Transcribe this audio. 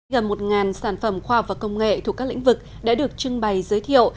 gần một sản phẩm khoa học và công nghệ thuộc các lĩnh vực đã được trưng bày giới thiệu